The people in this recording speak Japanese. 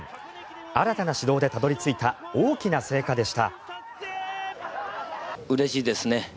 新たな指導でたどり着いた大きな成果でした。